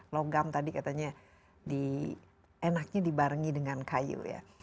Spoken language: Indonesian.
logam tadi katanya enaknya dibarengi dengan kayu ya